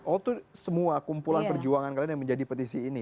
oh itu semua kumpulan perjuangan kalian yang menjadi petisi ini